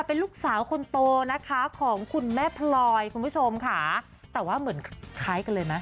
เป็นลูกสาวคนโตนะคะของคุณแม่พลอยคุณผู้ชมค่ะแต่ว่าเหมือนคล้ายกันเลยไหม